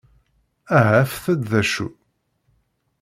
Aha afet-d d acu!